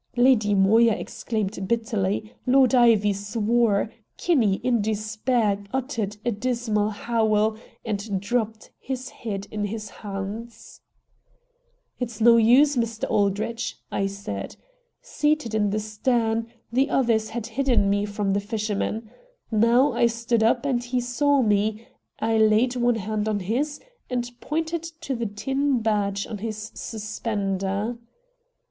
Lady Moya exclaimed bitterly, Lord Ivy swore, Kinney in despair uttered a dismal howl and dropped his head in his hands. "It's no use, Mr. Aldrich," I said. Seated in the stern, the others had hidden me from the fisherman. Now I stood up and he saw me. I laid one hand on his, and pointed to the tin badge on his suspender.